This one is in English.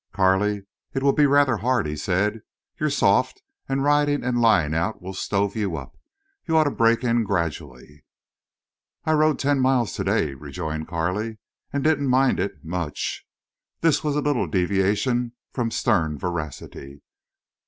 "Carley, it'll be rather hard," he said. "You're soft, and riding and lying out will stove you up. You ought to break in gradually." "I rode ten miles today," rejoined Carley. "And didn't mind it—much." This was a little deviation from stern veracity.